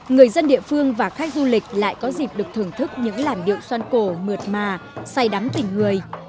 người dân địa phương và khách du lịch lại có dịp được thưởng thức những làn điệu xoan cổ mượt mà say đắm tình người